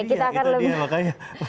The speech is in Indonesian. itu dia itu dia makanya